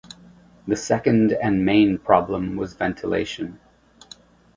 The second and main problem was ventilation.